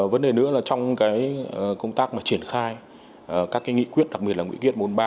vấn đề nữa là trong cái công tác mà triển khai các cái nghị quyết đặc biệt là nghị quyết môn ba